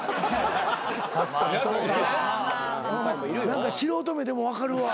何か素人目でも分かるわ。